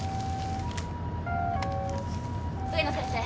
植野先生！